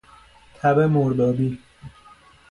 تب مردابی